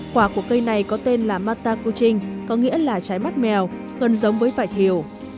quả của cây này có tên là mata kuching có nghĩa là trái mắt mèo gần giống với vải thiểu